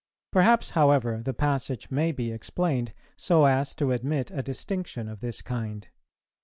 Perhaps, however, the passage may be explained so as to admit a distinction of this kind.